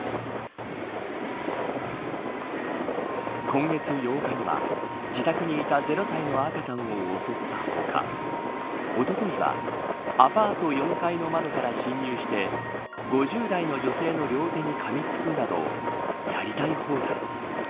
今月８日には自宅にいた０歳の赤ちゃんを襲った他おとといはアパート４階の窓から侵入して５０代の女性の両手にかみつくなどやりたい放題。